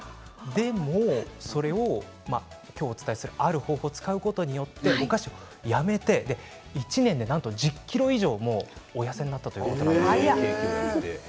でも、それを今日お伝えする、ある方法を使うことによっておやつをやめて１年でなんと１０ｋｇ以上もお痩せになったということなんです。